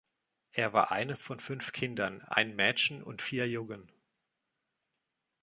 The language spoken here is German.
Er war eines von fünf Kindern, ein Mädchen und vier Jungen.